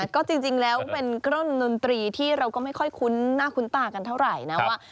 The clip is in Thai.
ก็จริงแล้วเป็นเครื่องดนตรีที่เราก็ไม่ค่อยคุ้นหน้าคุ้นตากันเท่าไหร่นะว่า